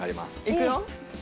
いくよ。